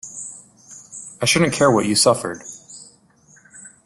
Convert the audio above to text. I shouldn’t care what you suffered.